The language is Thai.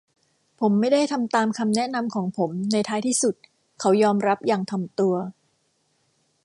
ผมไม่ได้ทำตามคำแนะนำของผมในท้ายที่สุด เขายอมรับอย่างถ่อมตัว